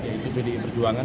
yaitu pdi perjuangan